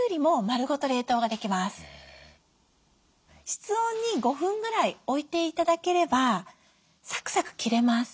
室温に５分ぐらい置いて頂ければサクサク切れます。